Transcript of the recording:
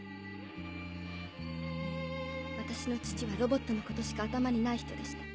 私の父はロボットのことしか頭にない人でした。